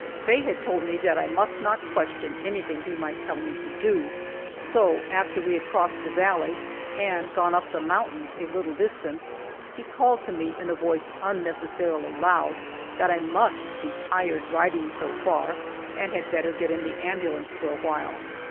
Faye had told me that I must not question anything he might tell me to do, so after we had crossed the valley and gone up the mountains a little distance he called to me in a voice unnecessarily loud, that I must be tired riding so far, and had better get in the ambulance for a while.